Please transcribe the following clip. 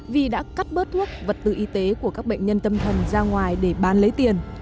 vì đã cắt bớt thuốc vật tư y tế của các bệnh nhân tâm thần ra ngoài để bán lấy tiền